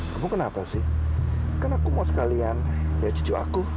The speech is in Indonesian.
kamu kenapa sih kan aku mau sekalian ya cucu aku